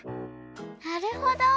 なるほど。